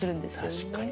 確かに。